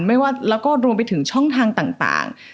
ไม่ว่าแล้วก็รวมไปถึงช่องทางต่าง